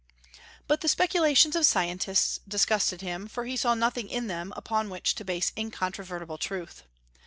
But the speculations of scientists disgusted him, for he saw nothing in them upon which to base incontrovertible truth.